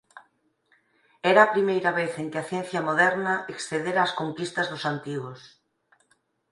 Era a primeira vez en que a ciencia moderna excedera as conquistas dos antigos.